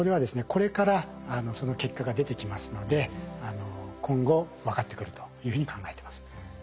これからその結果が出てきますので今後分かってくるというふうに考えてます。